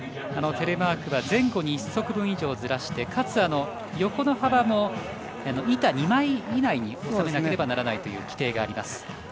テレマークは前後に１足分以上ずらしてかつ、横の幅も板２枚以内に収めなければならないという規定があります。